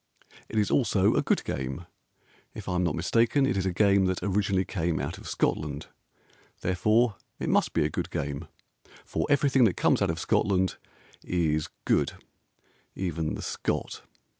It is also a good game. If I am not mistaken, It is a game that originally came out of Scotland; Therefore it must be a good game. For everything that comes out of Scotland is good, Even the Scot.